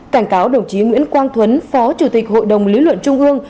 cảnh cáo đồng chí nguyễn quang thuấn phó chủ tịch hội đồng lý luận trung ương